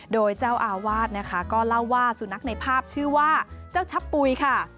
โดยเจ้าอาวาสนะคะก็เล่าว่าสุนัขในภาพชื่อว่าเจ้าชะปุ๋ยค่ะ